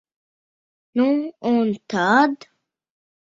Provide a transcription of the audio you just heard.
Nu un tad?